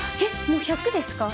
もう１００ですか？